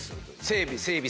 整備整備。